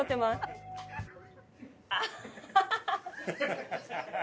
アハハハッ！